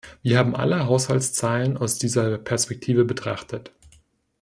Wir haben alle Haushaltszeilen aus dieser Perspektive betrachtet.